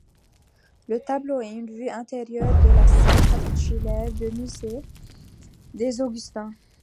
Le tableau est une vue intérieure de la salle capitulaire du Musée des Augustins.